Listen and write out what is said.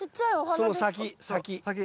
その先先。